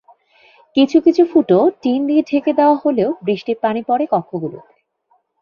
কিছু কিছু ফুটো টিন দিয়ে ঢেকে দেওয়া হলেও বৃষ্টির পানি পড়ে কক্ষগুলোতে।